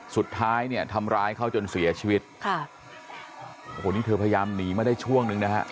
สุดท้ายทำร้ายเขาจนเสียชีวิตค่ะคนนี้เธอพยายามหนีมาได้ช่วงหนึ่งนะคะ